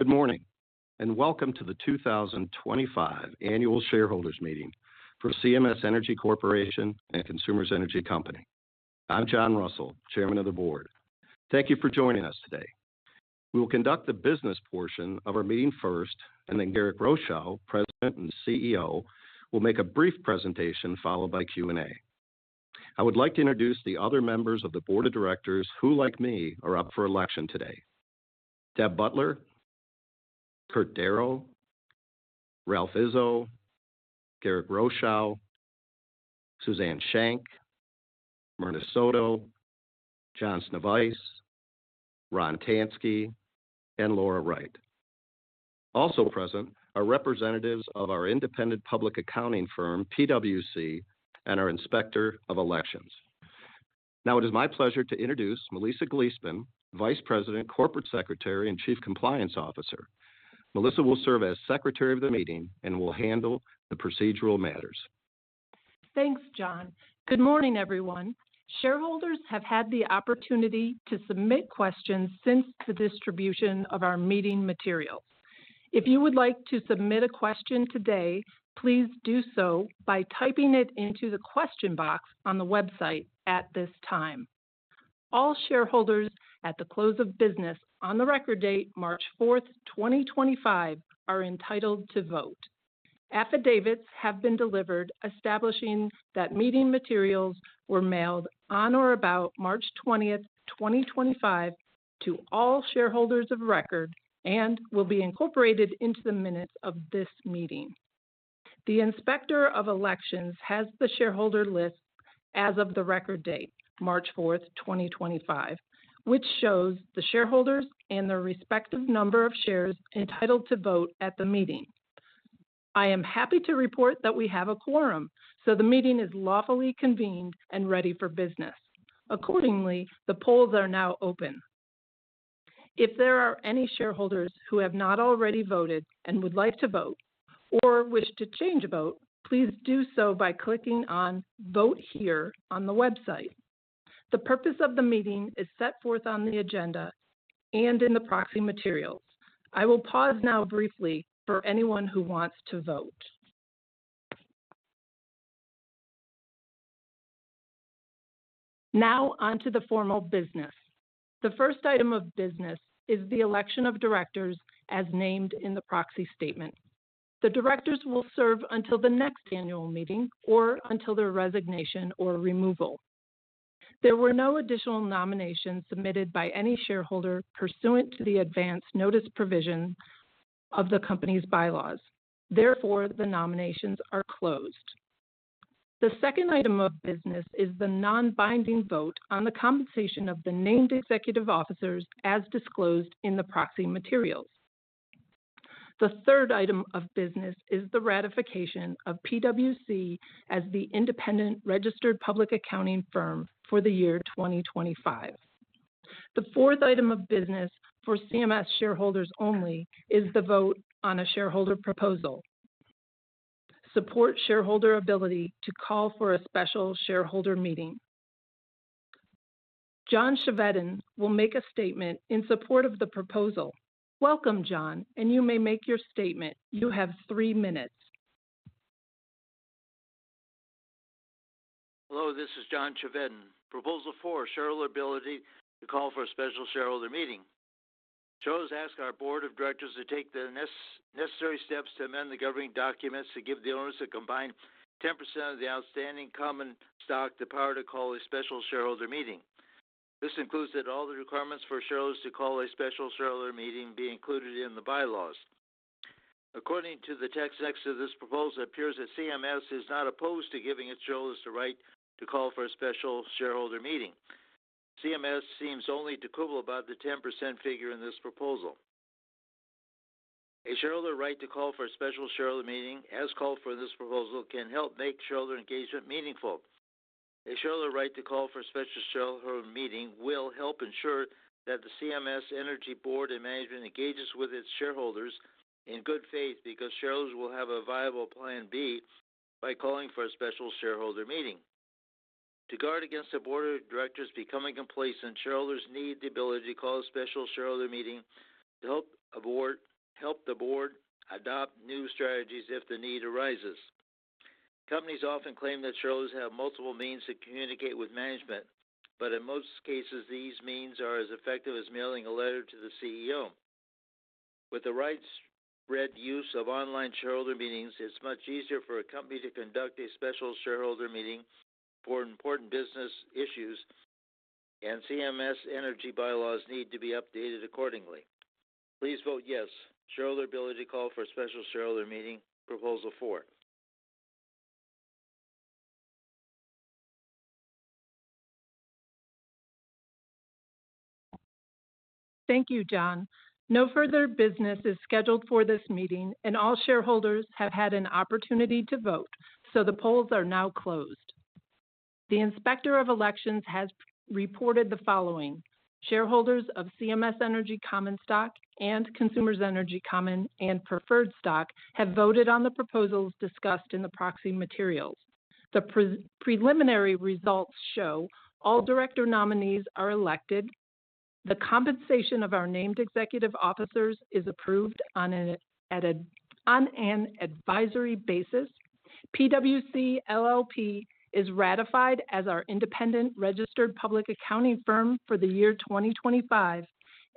Good morning and Welcome to The 2025 Annual Shareholders Meeting for CMS Energy Corporation and Consumers Energy Company. I'm John Russell, Chairman of the Board. Thank you for joining us today. We will conduct the business portion of our meeting first, and then Garrick Rochow, President and CEO, will make a brief presentation followed by Q&A. I would like to introduce the other members of the Board of Directors who, like me, are up for election today: Deb Butler, Kurt Darrow, Ralph Izzo, Garrick Rochow, Suzanne Shank, Myrna Soto, John Sznewajs, Ron Tansky, and Laura Wright. Also present are representatives of our independent public accounting firm, PwC, and our Inspector of Elections. Now, it is my pleasure to introduce Melissa Gleespen, Vice President, Corporate Secretary, and Chief Compliance Officer. Melissa will serve as Secretary of the Meeting and will handle the procedural matters. Thanks, John. Good morning, everyone. Shareholders have had the opportunity to submit questions since the distribution of our meeting materials. If you would like to submit a question today, please do so by typing it into the question box on the website at this time. All shareholders at the close of business on the record date, March 4, 2025, are entitled to vote. Affidavits have been delivered establishing that meeting materials were mailed on or about March 20, 2025, to all shareholders of record and will be incorporated into the minutes of this meeting. The Inspector of Elections has the shareholder list as of the record date, March 4, 2025, which shows the shareholders and their respective number of shares entitled to vote at the meeting. I am happy to report that we have a quorum, so the meeting is lawfully convened and ready for business. Accordingly, the polls are now open. If there are any shareholders who have not already voted and would like to vote or wish to change a vote, please do so by clicking on "Vote Here" on the website. The purpose of the meeting is set forth on the agenda and in the proxy materials. I will pause now briefly for anyone who wants to vote. Now, on to the formal business. The first item of business is the election of directors as named in the proxy statement. The directors will serve until the next annual meeting or until their resignation or removal. There were no additional nominations submitted by any shareholder pursuant to the advance notice provision of the company's bylaws. Therefore, the nominations are closed. The second item of business is the non-binding vote on the compensation of the named executive officers as disclosed in the proxy materials. The third item of business is the ratification of PwC as the independent registered public accounting firm for the year 2025. The fourth item of business for CMS shareholders only is the vote on a shareholder proposal: support shareholder ability to call for a special shareholder meeting. John Chevedden will make a statement in support of the proposal. Welcome, John, and you may make your statement. You have three minutes. Hello, this is John Chevedden. Proposal four: shareholder ability to call for a special shareholder meeting. Shareholders ask our Board of Directors to take the necessary steps to amend the governing documents to give the owners a combined 10% of the outstanding common stock the power to call a special shareholder meeting. This includes that all the requirements for shareholders to call a special shareholder meeting be included in the bylaws. According to the text next to this proposal, it appears that CMS is not opposed to giving its shareholders the right to call for a special shareholder meeting. CMS seems only to quibble about the 10% figure in this proposal. A shareholder right to call for a special shareholder meeting, as called for in this proposal, can help make shareholder engagement meaningful. A shareholder right to call for a special shareholder meeting will help ensure that the CMS Energy Board and Management engages with its shareholders in good faith because shareholders will have a viable plan B by calling for a special shareholder meeting. To guard against the Board of Directors becoming complacent, shareholders need the ability to call a special shareholder meeting to help the board adopt new strategies if the need arises. Companies often claim that shareholders have multiple means to communicate with management, but in most cases, these means are as effective as mailing a letter to the CEO. With the widespread use of online shareholder meetings, it's much easier for a company to conduct a special shareholder meeting for important business issues, and CMS Energy bylaws need to be updated accordingly. Please vote yes. Shareholder ability to call for a special shareholder meeting: Proposal four. Thank you, John. No further business is scheduled for this meeting, and all shareholders have had an opportunity to vote, so the polls are now closed. The Inspector of Elections has reported the following: shareholders of CMS Energy Common Stock and Consumers Energy Common and Preferred Stock have voted on the proposals discussed in the proxy materials. The preliminary results show all director nominees are elected. The compensation of our named executive officers is approved on an advisory basis. PwC LLP is ratified as our independent registered public accounting firm for the year 2025,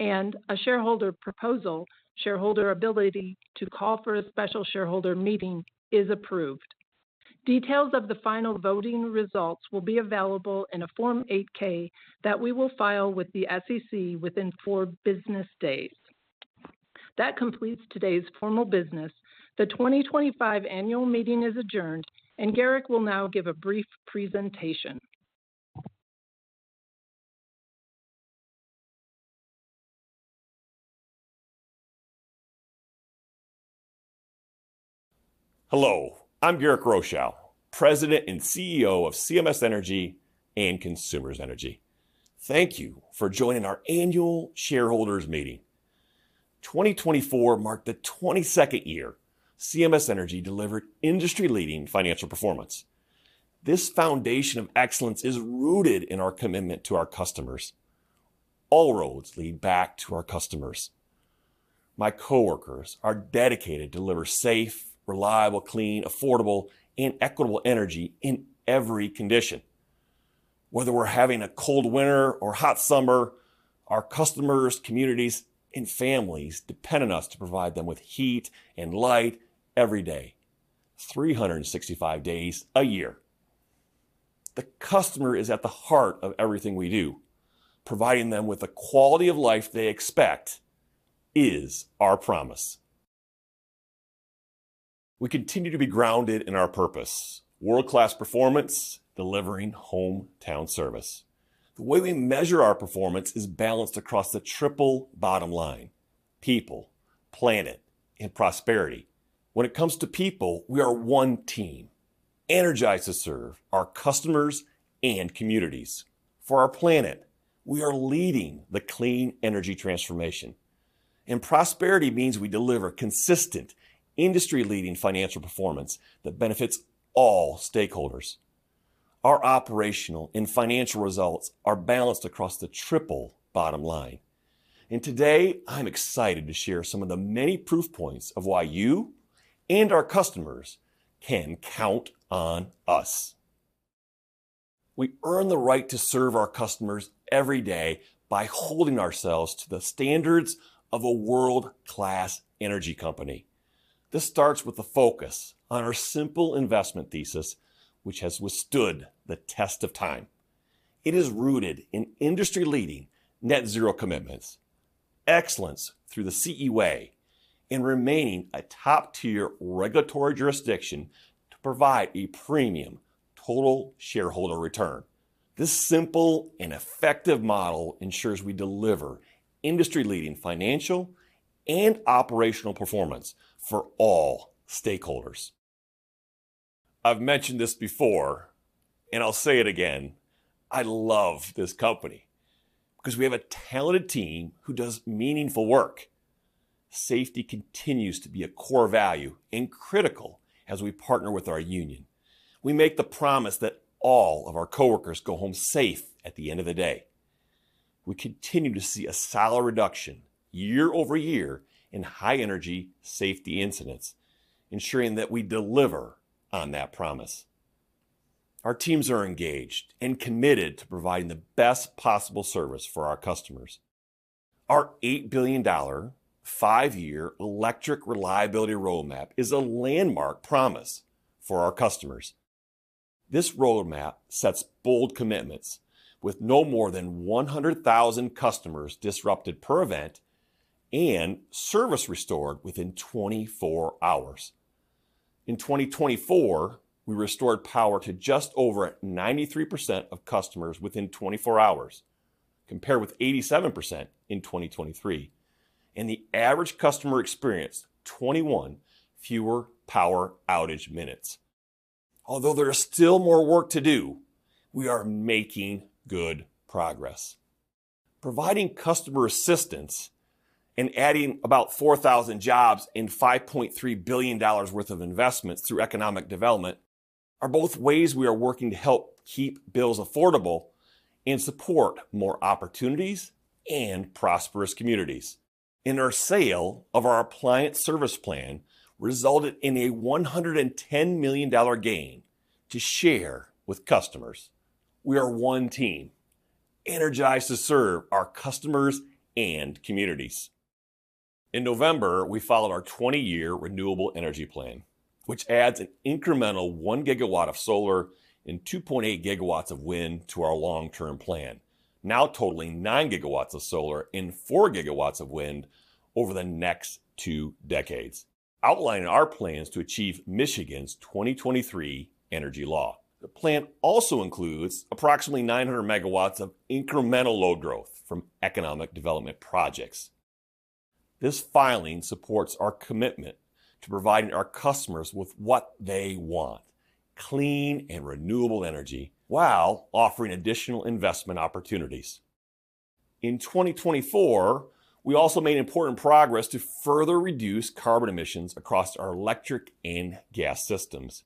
and a shareholder proposal: shareholder ability to call for a special shareholder meeting is approved. Details of the final voting results will be available in a Form 8-K that we will file with the SEC within four business days. That completes today's formal business. The 2025 Annual Meeting is adjourned, and Garrick will now give a brief presentation. Hello, I'm Garrick Rochow, President and CEO of CMS Energy and Consumers Energy. Thank you for joining our annual shareholders meeting. 2024 marked the 22nd year CMS Energy delivered industry-leading financial performance. This foundation of excellence is rooted in our commitment to our customers. All roads lead back to our customers. My coworkers are dedicated to delivering safe, reliable, clean, affordable, and equitable energy in every condition. Whether we're having a cold winter or hot summer, our customers, communities, and families depend on us to provide them with heat and light every day, 365 days a year. The customer is at the heart of everything we do. Providing them with the quality of life they expect is our promise. We continue to be grounded in our purpose: world-class performance, delivering hometown service. The way we measure our performance is balanced across the triple bottom line: people, planet, and prosperity. When it comes to people, we are one team, energized to serve our customers and communities. For our planet, we are leading the clean energy transformation. Prosperity means we deliver consistent, industry-leading financial performance that benefits all stakeholders. Our operational and financial results are balanced across the triple bottom line. Today, I'm excited to share some of the many proof points of why you and our customers can count on us. We earn the right to serve our customers every day by holding ourselves to the standards of a world-class energy company. This starts with a focus on our simple investment thesis, which has withstood the test of time. It is rooted in industry-leading net-zero commitments, excellence through the CE.way, and remaining a top-tier regulatory jurisdiction to provide a premium total shareholder return. This simple and effective model ensures we deliver industry-leading financial and operational performance for all stakeholders. I've mentioned this before, and I'll say it again. I love this company because we have a talented team who does meaningful work. Safety continues to be a core value and critical as we partner with our union. We make the promise that all of our coworkers go home safe at the end of the day. We continue to see a solid reduction year over year in high-energy safety incidents, ensuring that we deliver on that promise. Our teams are engaged and committed to providing the best possible service for our customers. Our $8 billion five-year electric reliability roadmap is a landmark promise for our customers. This roadmap sets bold commitments with no more than 100,000 customers disrupted per event and service restored within 24 hours. In 2024, we restored power to just over 93% of customers within 24 hours, compared with 87% in 2023, and the average customer experienced 21 fewer power outage minutes. Although there is still more work to do, we are making good progress. Providing customer assistance and adding about 4,000 jobs and $5.3 billion worth of investments through economic development are both ways we are working to help keep bills affordable and support more opportunities and prosperous communities. Our sale of our appliance service plan resulted in a $110 million gain to share with customers. We are one team, energized to serve our customers and communities. In November, we followed our 20-year renewable energy plan, which adds an incremental 1 gigawatt of solar and 2.8 gigawatts of wind to our long-term plan, now totaling 9 gigawatts of solar and 4 gigawatts of wind over the next two decades, outlining our plans to achieve Michigan's 2023 energy law. The plan also includes approximately 900 megawatts of incremental load growth from economic development projects. This filing supports our commitment to providing our customers with what they want: clean and renewable energy while offering additional investment opportunities. In 2024, we also made important progress to further reduce carbon emissions across our electric and gas systems.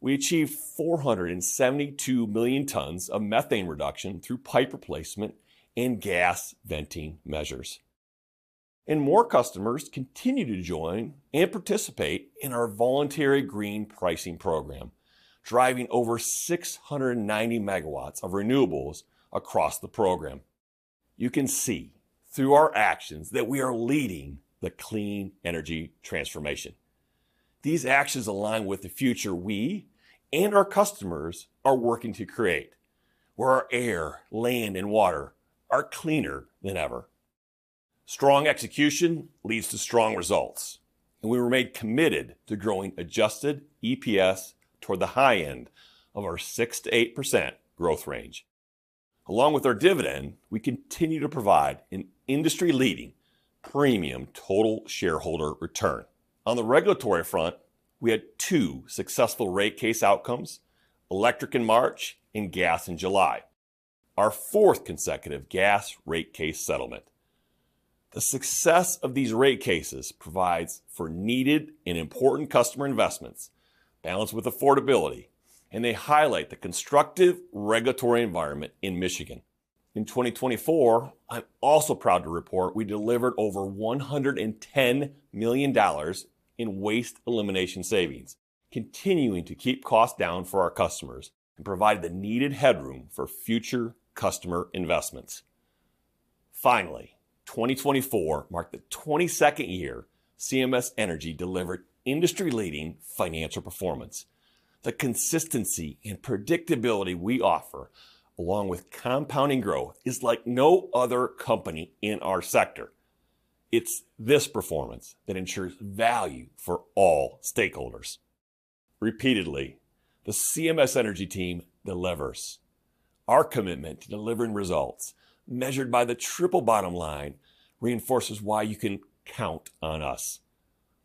We achieved 472 million tons of methane reduction through pipe replacement and gas venting measures. More customers continue to join and participate in our voluntary green pricing program, driving over 690 megawatts of renewables across the program. You can see through our actions that we are leading the clean energy transformation. These actions align with the future we and our customers are working to create, where our air, land, and water are cleaner than ever. Strong execution leads to strong results, and we remain committed to growing adjusted EPS toward the high end of our 6-8% growth range. Along with our dividend, we continue to provide an industry-leading premium total shareholder return. On the regulatory front, we had two successful rate case outcomes: electric in March and gas in July, our fourth consecutive gas rate case settlement. The success of these rate cases provides for needed and important customer investments balanced with affordability, and they highlight the constructive regulatory environment in Michigan. In 2024, I'm also proud to report we delivered over $110 million in waste elimination savings, continuing to keep costs down for our customers and provide the needed headroom for future customer investments. Finally, 2024 marked the 22nd year CMS Energy delivered industry-leading financial performance. The consistency and predictability we offer, along with compounding growth, is like no other company in our sector. It's this performance that ensures value for all stakeholders. Repeatedly, the CMS Energy team delivers. Our commitment to delivering results measured by the triple bottom line reinforces why you can count on us.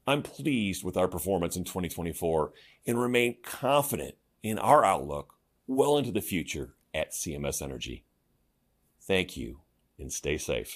I'm pleased with our performance in 2024 and remain confident in our outlook well into the future at CMS Energy. Thank you, and stay safe.